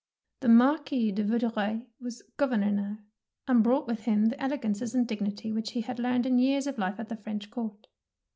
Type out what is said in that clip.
The Marquis de Vaudreuil was gov ernor now, and brought with him the elegances and dignity which he had learned in years of life at the French court.